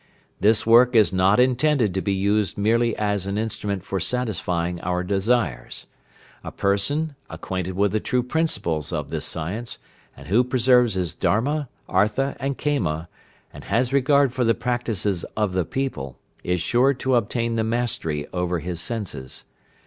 "This work is not intended to be used merely as an instrument for satisfying our desires. A person, acquainted with the true principles of this science, and who preserves his Dharma, Artha, and Kama, and has regard for the practices of the people, is sure to obtain the mastery over his senses."